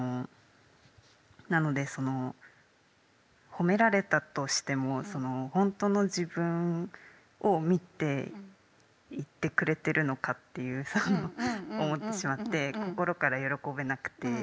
なのでその褒められたとしてもほんとの自分を見て言ってくれてるのかって思ってしまって心から喜べなくて。